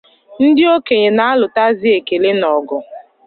Ndị okenye na-alụtazị ekele n'ọgụ